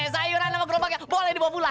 sayuran sama gerobaknya boleh dibawa pulang